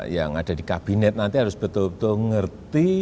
yang ada di kabinet nanti harus betul betul ngerti